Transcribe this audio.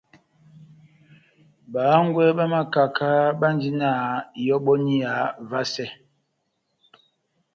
Bahángwɛ bá makaka bandi na ihɔbɔniya vasɛ.